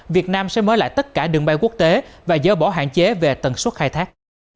việt nam sẽ mở lại tất cả đường bay quốc tế và dỡ bỏ hạn chế về tần suất khai thác